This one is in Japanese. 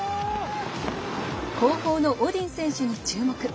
後方のオディン選手に注目。